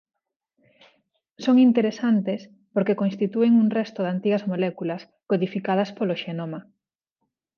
Son interesantes porque constitúen un resto de antigas moléculas codificadas polo xenoma.